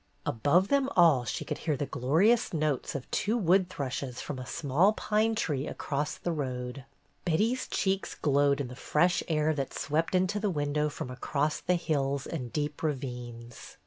Above them all she could hear the glorious notes of two wood thrushes from a small pine tree across the road. Betty's cheeks glowed in the fresh air that swept into the window from across the hills and deep ravines.